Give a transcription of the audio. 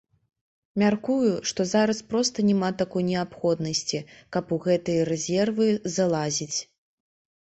Мяркую, што зараз проста няма такой неабходнасці, каб у гэтыя рэзервы залазіць.